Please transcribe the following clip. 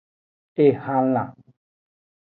Ehalan.